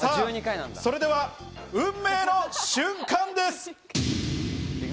それでは、運命の瞬間です。